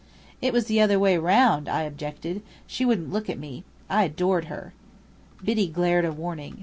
"It was the other way round," I objected. "She wouldn't look at me. I adored her." Biddy glared a warning.